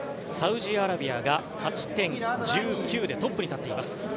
サウジアラビアが勝ち点１９でトップに立っています。